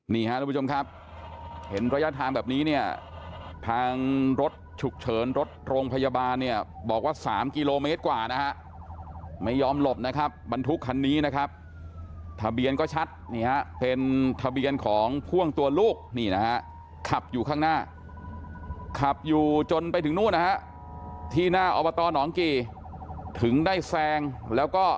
นี่ฮะทุกผู้ชมครับเห็นระยะทางแบบนี้เนี่ยทางรถฉุกเฉินรถโรงพยาบาลเนี่ยบอกว่า๓กิโลเมตรกว่านะฮะไม่ยอมหลบนะครับบรรทุกคันนี้นะครับทะเบียนก็ชัดนี่ฮะเป็นทะเบียนของพ่วงตัวลูกนี่นะฮะขับอยู่ข้างหน้าขับอยู่จนไปถึงนู่นนะฮะที่หน้าอบตหนองกี่ถึงได้แซงแล้วก็